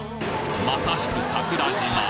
まさしく桜島。